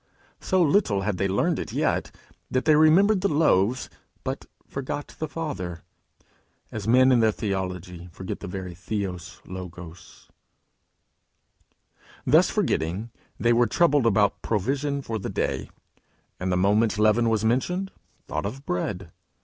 So little had they learned it yet, that they remembered the loaves but forgot the Father as men in their theology forget the very [Greek: Theou logos]. Thus forgetting, they were troubled about provision for the day, and the moment leaven was mentioned, thought of bread.